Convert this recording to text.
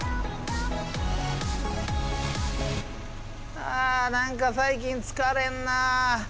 あ何か最近疲れんな。